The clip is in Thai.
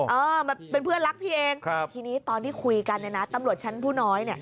โอ้โหเป็นเพื่อนรักพี่เองทีนี้ตอนที่คุยกันนะตำรวจชั้นผู้น้อย